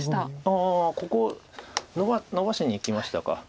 ああここのばしにいきましたか。